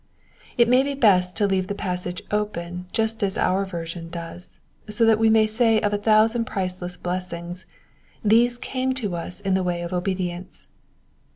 It may be best to leave the passage open just as our version does ; so that we may say of a thousand priceless blessings, these came to us in the way of obedience.'